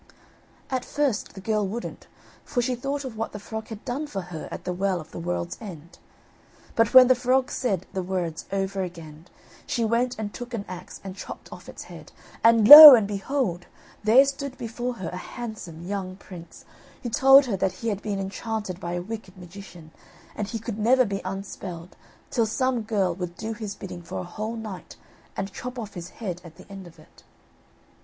At first the girl wouldn't, for she thought of what the frog had done for her at the Well of the World's End. But when the frog said the words over again, she went and took an axe and chopped off its head, and lo! and behold, there stood before her a handsome young prince, who told her that he had been enchanted by a wicked magician, and he could never be unspelled till some girl would do his bidding for a whole night, and chop off his head at the end of it.